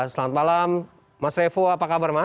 selamat malam mas revo apa kabar mas